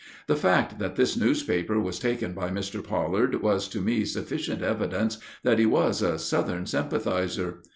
The fact that this newspaper was taken by Mr. Pollard was to me sufficient evidence that he was a Southern sympathizer.